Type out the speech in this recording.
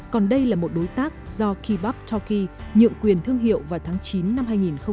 còn đây là một đối tác do kibak toki nhượng quyền thương hiệu vào tháng chín năm hai nghìn một mươi